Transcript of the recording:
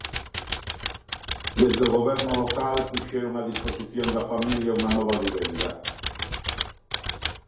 Desde o Goberno local puxeron a disposición da familia unha nova vivenda.